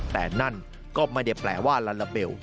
แต่นั่นก็ไม่ได้แปลว่าลาลาเบล